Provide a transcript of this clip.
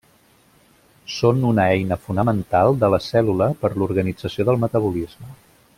Són una eina fonamental de la cèl·lula per l'organització del metabolisme.